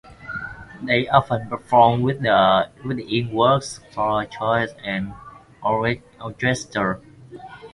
They often perform with the in works for choir and orchestra.